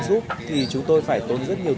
giúp thì chúng tôi phải tốn rất nhiều